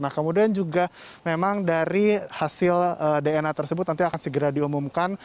nah kemudian juga memang dari hasil dna tersebut nanti akan segera diumumkan